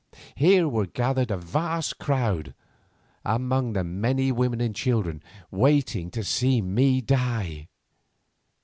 Here were gathered a vast crowd, among them many women and children, waiting to see me die.